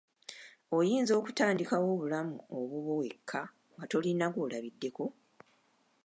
Oyinza okutandikawo obulamu obubwo wekka nga tolina gw'olabiddeko?